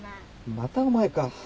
またお前か。